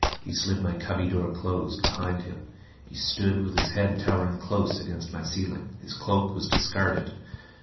He slid my cubby door closed behind him. He stood with his head towering close against my ceiling. His cloak was discarded.